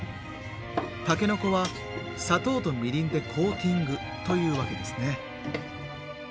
たけのこは砂糖とみりんでコーティングというわけですね。